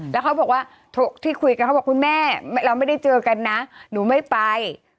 แล้วเขาบอกว่าที่คุยกันเขาบอกคุณแม่เราไม่ได้เจอกันนะหนูไม่ไป